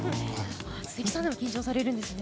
鈴木さんでも緊張されるんですね。